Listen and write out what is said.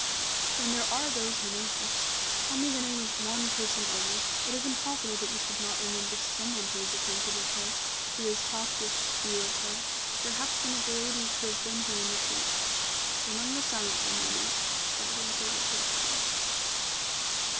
"Then there are those who know her. Tell me the name of one person only it is impossible that you should not remember some one who is acquainted with her, who has talked with you of her perhaps one of the ladies who have been here in retreat." The nun was silent for a moment, gathering her recollections.